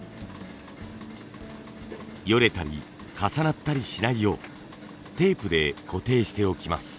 よれたり重なったりしないようテープで固定しておきます。